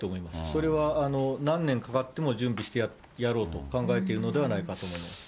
それは、何年かかっても準備してやろうと考えているのではないかと思います。